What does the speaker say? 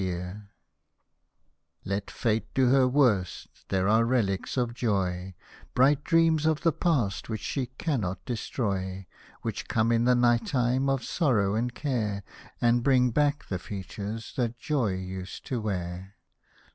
" Hosted by Google 32 IRISH MELODIES Let Fate do her worst, there are rehcs of joy, Bright dreams of the past, which she cannot destroy ; Which come in the night time of sorrow and care. And bring back the features that joy used to wear.